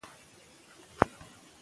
پییر یو ساده او مهربان انسان دی.